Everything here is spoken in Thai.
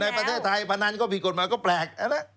ประเทศไทยพนันก็ผิดกฎหมายก็แปลก